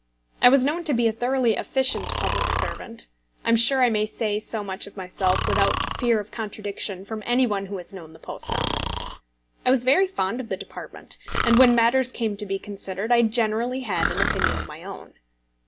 I was known to be a thoroughly efficient public servant; I am sure I may say so much of myself without fear of contradiction from any one who has known the Post Office; I was very fond of the department, and when matters came to be considered, I generally had an opinion of my own.